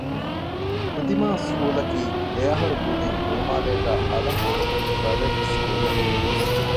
ކުދިމާ ސްކޫލަކީ ދެއަހަރު ކުދިން ހުޅުމާލޭގައި އަލަށް ހުޅުވި ޕްރައިވެޓް ސްކޫލެއް